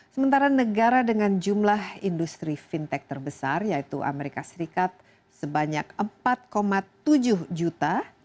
sementara negara dengan jumlah industri fintech terbesar yaitu amerika serikat sebanyak empat tujuh juta